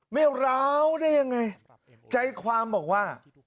ไม่ร้าวได้ยังไงใจความบอกว่า